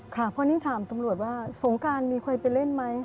ค่ะเพราะนี่ถามตำรวจว่าสงการมีใครไปเล่นไหม